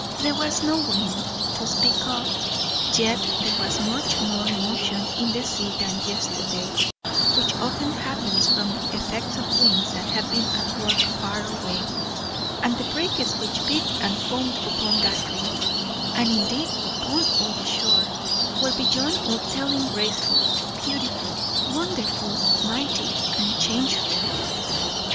There was no wind, to speak of, yet there was much more motion in the sea than yesterday; which often happens from the effect of winds that have been at work far away; and the breakers which beat and foamed upon that reef, and indeed upon all the shore, were beyond all telling graceful, beautiful, wonderful, mighty, and changeful.